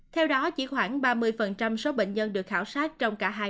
theo đó chỉ khoảng ba mươi số bệnh nhân được khảo sát trong cả hai